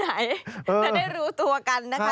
จะได้รู้ตัวกันนะคะ